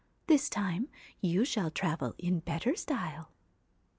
This time you shall travel in better style.'